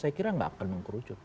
saya kira tidak akan mengabulkan